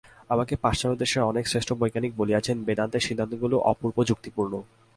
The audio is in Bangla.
আমাকে পাশ্চাত্যদেশের অনেক শ্রেষ্ঠ বৈজ্ঞানিক বলিয়াছেন, বেদান্তের সিদ্ধান্তগুলি অপূর্ব যুক্তিপূর্ণ।